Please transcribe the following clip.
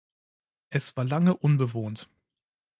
Es war lange unbewohnt.